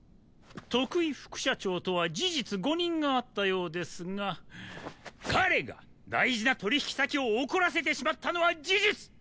徳井副社長とは事実誤認があったようですが彼が大事な取引先を怒らせてしまったのは事実！